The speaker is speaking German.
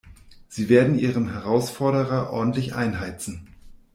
Sie werden ihrem Herausforderer ordentlich einheizen.